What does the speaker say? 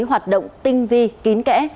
hoạt động tinh vi kín kẽ